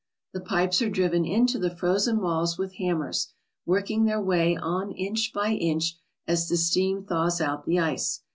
The pipes are driven into the frozen walls with hammers, working their way on inch by inch as the steam thaws out the ice.